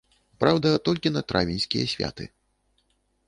Праўда, толькі на травеньскія святы.